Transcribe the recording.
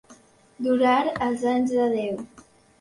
Durar els anys de Déu.